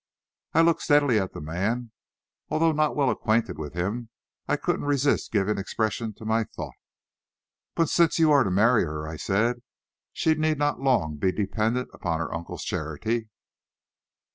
I looked steadily at the man. Although not well acquainted with him, I couldn't resist giving expression to my thought. "But since you are to marry her," I said, "she need not long be dependent upon her uncle's charity."